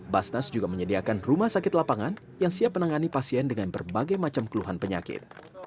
basnas juga menyediakan rumah sakit lapangan yang siap menangani pasien dengan berbagai macam keluhan penyakit